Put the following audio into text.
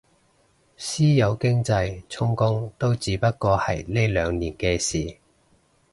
私有經濟充公都只不過係呢兩年嘅事